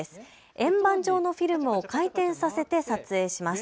円盤状のフィルムを回転させて撮影します。